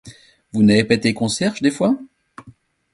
Vous n’avez pas été concierge, des fois ?